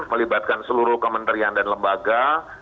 melibatkan seluruh kementerian dan lembaga